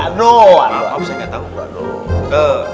aduh apa ustadz nggak tahu